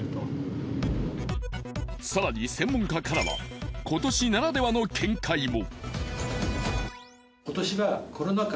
更に専門家からは今年ならではの見解も。